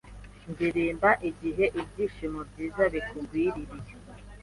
ndirimba igiheIbyishimo byiza bikugwiririye